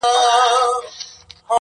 اوس مي تعويذ له ډېره خروښه چاودي,